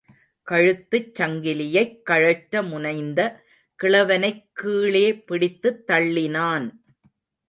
கழுத்துச்சங்கிலியைக் கழற்ற முனைந்த கிழவனைக் கீழே பிடித்துத் தள்ளினான்.